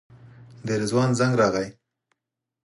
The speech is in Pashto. د رضوان زنګ راغی.